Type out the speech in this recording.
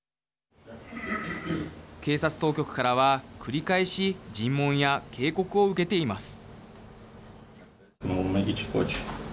警察当局からは繰り返し、尋問や警告を受けています。